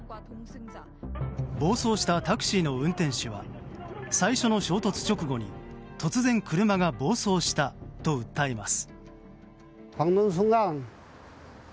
暴走したタクシーの運転手は最初の衝突直後に突然、車が暴走したと訴えます。